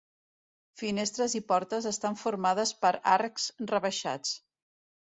Finestres i portes estan formades per arcs rebaixats.